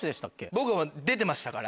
僕も出てましたから。